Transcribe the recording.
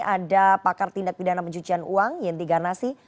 ada pakar tindak pidana pencucian uang yenti garnasi